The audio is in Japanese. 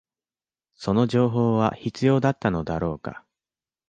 その情報は必要だったのだろうか